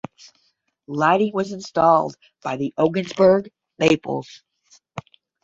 Lighting was installed by the Ogdensburg Maples.